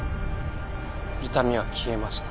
痛みは消えました。